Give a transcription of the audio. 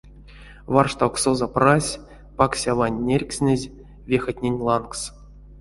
Варштавксозо прась паксяванть нерькстнезь вехатнень лангс.